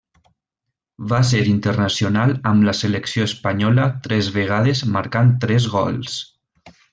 Va ser internacional amb la selecció espanyola tres vegades marcant tres goles.